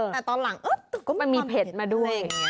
แต่ตอนหลังมันมีเพจมาด้วย